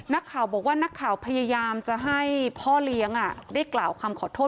นักข่าวบอกว่านักข่าวพยายามจะให้พ่อเลี้ยงได้กล่าวคำขอโทษ